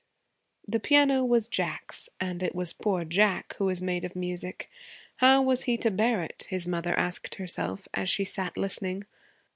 The piano was Jack's and it was poor Jack who was made of music. How was he to bear it, his mother asked herself, as she sat listening.